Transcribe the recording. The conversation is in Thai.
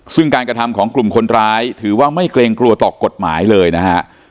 ซึ่งการกระทำของกลุ่มคนร้ายถือว่าไม่เกรงกลัวต่อกฎหมายเลยนะฮะ